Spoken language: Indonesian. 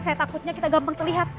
saya takutnya kita gampang terlihat